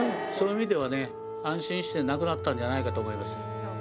そういう意味では、安心して亡くなったんじゃないかと思います。